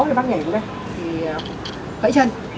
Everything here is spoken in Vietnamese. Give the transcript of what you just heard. thì bác nhảy xuống đây thì gãy chân